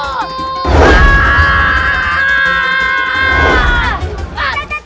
ah takut takut takut